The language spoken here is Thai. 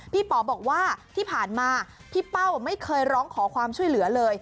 ป๋อบอกว่าที่ผ่านมาพี่เป้าไม่เคยร้องขอความช่วยเหลือเลย